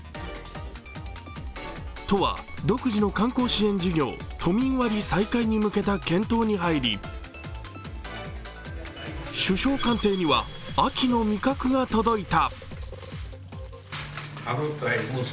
都は独自の観光支援事業、都民割再開に向けた検討に入り、首相官邸には秋の味覚が届いた。